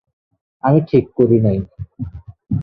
আমি ঠিক করি নাই।